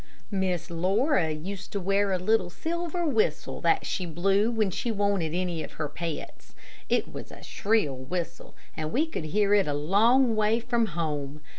Miss Laura used to wear a little silver whistle that she blew when she wanted any of her pets. It was a shrill whistle, and we could hear it a long way from home.